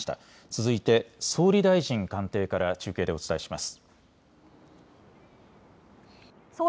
続いて、総理大臣官邸から中継でお伝えします。